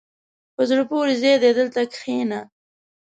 په زړه پورې ځای دی، دلته کښېنه.